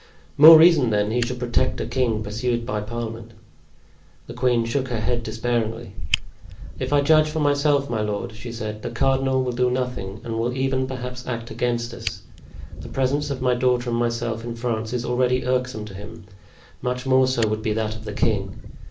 "More reason, then, he should protect a king pursued by parliament." The queen shook her head despairingly. "If I judge for myself, my lord," she said, "the cardinal will do nothing, and will even, perhaps, act against us. The presence of my daughter and myself in France is already irksome to him; much more so would be that of the king.